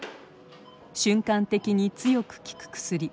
瞬間的に強く効く薬